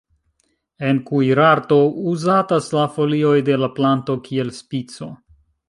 En kuirarto uzatas la folioj de la planto kiel spico.